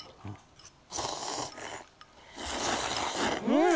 うん！